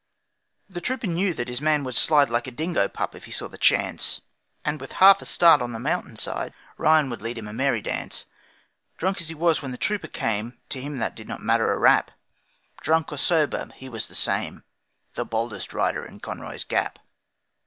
The trooper knew that his man would slide Like a dingo pup, if he saw the chance; And with half a start on the mountain side Ryan would lead him a merry dance. Drunk as he was when the trooper came, To him that did not matter a rap Drunk or sober, he was the same, The boldest rider in Conroy's Gap.